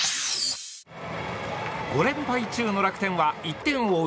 ５連敗中の楽天は１点を追う